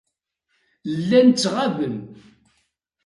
Llan ttɣaben.